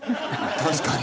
確かに。